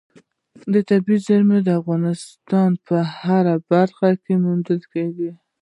طبیعي زیرمې د افغانستان په هره برخه کې موندل کېږي.